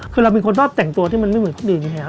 คือเรามีคนทอดแต่งตัวที่มันไม่เหมือนคนอื่นอย่างแหละ